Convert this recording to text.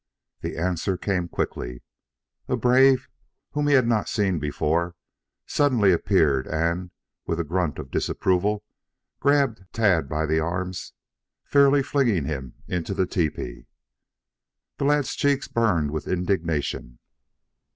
The answer came quickly. A brave whom he had not seen before suddenly appeared and, with a grunt of disapproval, grabbed Tad by the arms, fairly flinging him into the tepee. The lad's cheeks burned with indignation.